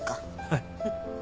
はい。